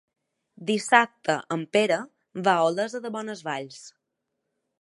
Dissabte en Pere va a Olesa de Bonesvalls.